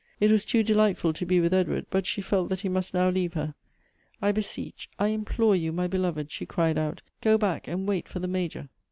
It was" too delightful to be with Edward ; but she felt that he must now leave her. " I beseech, I implore you, my beloved," she cried out; "go back and wait for the Major."